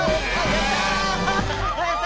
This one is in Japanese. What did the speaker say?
やった！